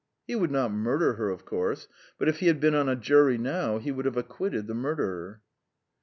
He would not murder her, of course, but if he had been on a jury now, he would have acquitted the murderer.